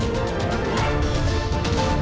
bersama kami di layar demokrasi